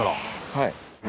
はい。